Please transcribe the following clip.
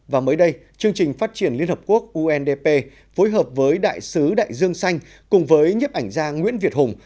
và mới đây chương trình phát triển liên hợp quốc undp phối hợp với đại sứ đại dương xanh cùng với nhiếp ảnh gia nguyễn việt hùng